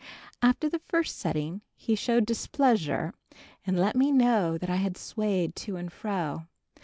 After the first sitting, he showed displeasure and let me know that I had swayed to and fro.